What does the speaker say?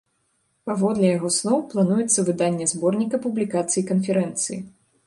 Паводле яго слоў, плануецца выданне зборніка публікацый канферэнцыі.